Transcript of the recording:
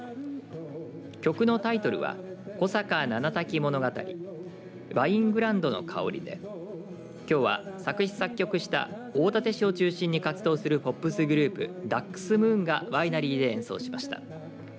曲のタイトルは小坂七滝物語ワイングランドの香りできょうは作詞作曲した大館市を中心に活動するポップスグループダックスムーンがワイナリーで演奏しました。